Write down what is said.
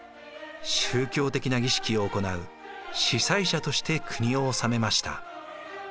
宗教的な儀式を行う司祭者として国を治めました。